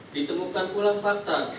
ditemukan pula fakta